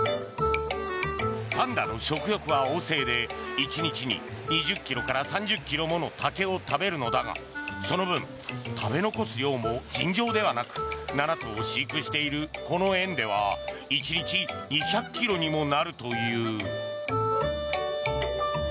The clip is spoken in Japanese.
パンダの食欲は旺盛で１日に２０ｋｇから３０ｋｇもの竹を食べるのだがその分、食べ残す量も尋常ではなく７頭を飼育しているこの園では１日２００ｋｇにもなるという。